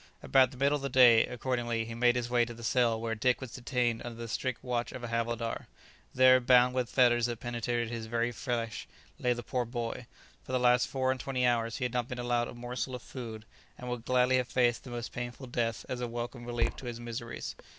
About the middle of the day, accordingly, he made his way to the cell where Dick was detained under the strict watch of a havildar. There, bound with fetters that penetrated his very flesh, lay the poor boy; for the last four and twenty hours he had not been allowed a morsel of food, and would gladly have faced the most painful death as a welcome relief to his miseries.